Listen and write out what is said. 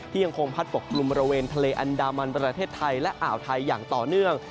ยังคงพัดปกกลุ่มบริเวณทะเลอันดามันประเทศไทยและอ่าวไทยอย่างต่อเนื่อง